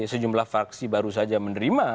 sejumlah fraksi baru saja menerima